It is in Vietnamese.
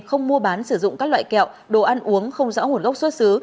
không mua bán sử dụng các loại kẹo đồ ăn uống không rõ nguồn gốc xuất xứ